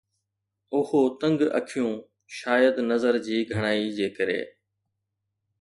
اهو تنگ اکيون شايد نظر جي گهڻائي جي ڪري